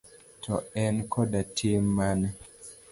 To, en koda tim mane?